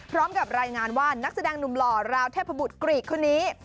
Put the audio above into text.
พร้อมกับรายงานว่านักแสดงหนุ่มหล่อราวเทพบุตรกรีกคนนี้